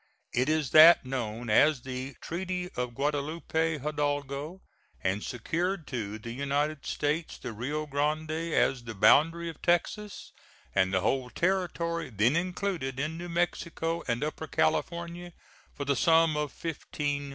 It is that known as the "Treaty of Guadalupe Hidalgo," and secured to the United States the Rio Grande as the boundary of Texas, and the whole territory then included in New Mexico and Upper California, for the sum of $15,000,000.